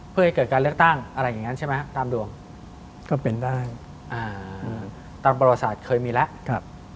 เพื่อให้เกิดการเลือกตั้งอะไรแบบนั้นใช่ไหม